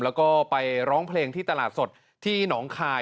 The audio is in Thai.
แล้วก็ไปร้องเพลงที่ตลาดสดที่หนองคาย